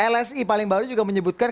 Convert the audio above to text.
lsi paling baru juga menyebutkan